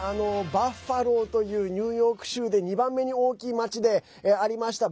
バファローというニューヨーク州で２番目に大きい町でありました。